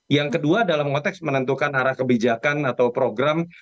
yang kedua dalam konteks menentukan arah kebijakan atau program